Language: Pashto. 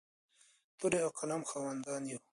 د تورې او قلم خاوندان یو.